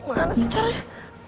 gimana sih caranya